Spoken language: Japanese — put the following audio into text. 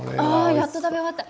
やっと食べ終わった。